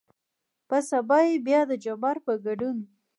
په سبا يې بيا دجبار په ګدون